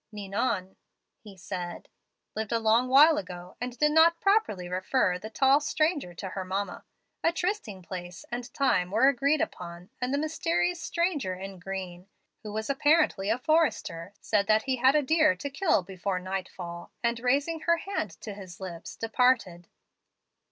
"Ninon," he said, "lived a long while ago, and did not properly refer the tall stranger to her mamma. A trysting place and time were agreed upon, and the mysterious stranger in green, who was apparently a forester, said that he had a deer to kill before nightfall; and, raising her hand to his lips, departed.